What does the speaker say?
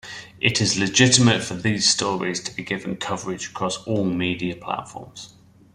It is legitimate for these stories to be given coverage across all media platforms.